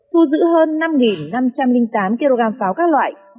thu giữ hơn năm năm trăm linh tám kg pháo các loại